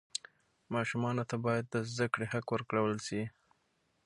ماشومانو ته باید د زده کړې حق ورکړل سي.